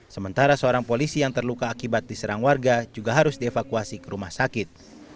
sementara seorang polisi yang terluka akibat diserang warga juga harus dievakuasi ke rumah sakit